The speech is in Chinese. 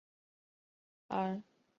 而毗邻附近有大型住宅项目升御门。